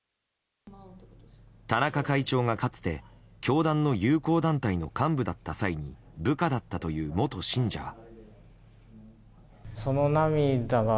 田中会長がかつて教団の友好団体の幹部だった際に部下だったという元信者は。